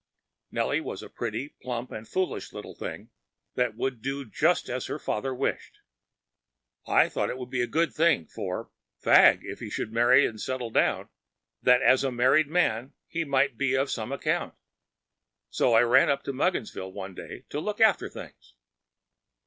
Nellie was a pretty, plump, and foolish little thing, and would do just as her father wished. I thought it would be a good thing for‚ÄĒFagg if he should marry and settle down; that as a married man he might be of some account. So I ran up to Mugginsville one day to look after things.